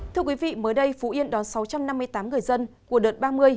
thưa quý vị mới đây phú yên đón sáu trăm năm mươi tám người dân của đợt ba mươi